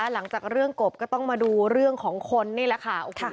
หลังจากเรื่องกบก็ต้องมาดูเรื่องของคนนี่แหละค่ะ